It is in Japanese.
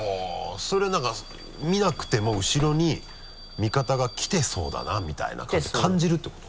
それはなんか見なくても後ろに味方が来てそうだなみたいな感じで感じるっていうこと？